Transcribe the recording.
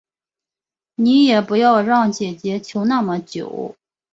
你也不要让姐姐求那么久